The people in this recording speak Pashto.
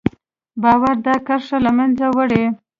باور دا کرښه له منځه وړي.